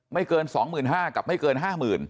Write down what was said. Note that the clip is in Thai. ไม่เกิน๒๕๐๐กับไม่เกิน๕๐๐๐